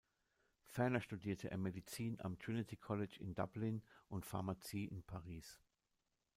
Ferner studierte er Medizin am Trinity College in Dublin und Pharmazie in Paris.